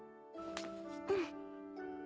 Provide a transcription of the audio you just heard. うん。